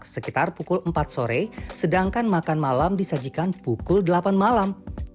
sekitar pukul empat sore sedangkan makan malam disajikan pukul delapan malam